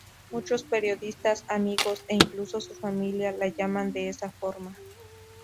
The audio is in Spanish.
Muchos periodistas, amigos e incluso su familia la llaman de esa forma.